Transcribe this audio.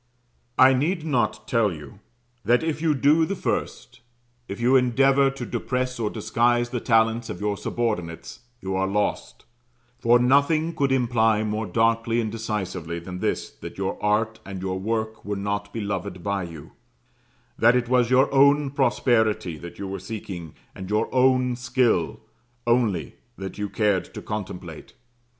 I need not tell you that if you do the first if you endeavour to depress or disguise the talents of your subordinates you are lost; for nothing could imply more darkly and decisively than this, that your art and your work were not beloved by you; that it was your own prosperity that you were seeking, and your own skill only that you cared to contemplate.